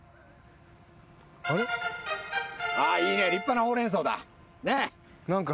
いいね立派なホウレンソウだ。